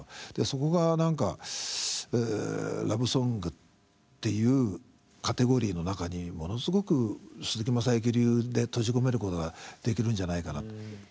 そこが何かラブソングっていうカテゴリーの中にものすごく鈴木雅之流で閉じ込めることができるんじゃないかな。